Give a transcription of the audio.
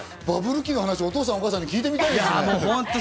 バブル期の話、お父さんお母さんに聞いてみたいですね。